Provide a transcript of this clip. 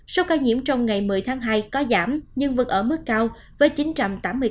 số ca nhiễm trong ngày một mươi tháng hai có giảm nhưng vẫn ở mức cao với chín trăm tám mươi ca